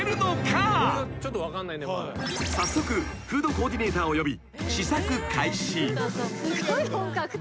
［早速フードコーディネーターを呼び］